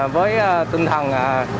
với tinh thần